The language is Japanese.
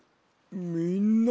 みんな。